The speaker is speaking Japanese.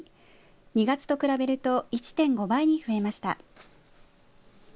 ２月と比べると１．５倍に増えました。